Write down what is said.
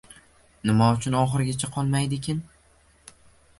Nima uchun oxirigacha qolmadiykin